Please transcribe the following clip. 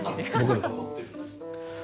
残ってるんですか？